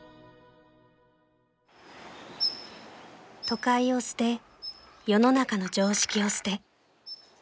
［都会を捨て世の中の常識を捨て］